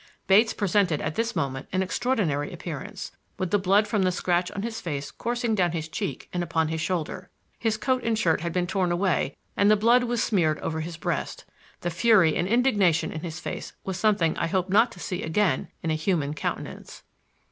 Bates presented at this moment an extraordinary appearance, with the blood from the scratch on his face coursing down his cheek and upon his shoulder. His coat and shirt had been torn away and the blood was smeared over his breast. The fury and indignation in his face was something I hope not to see again in a human countenance.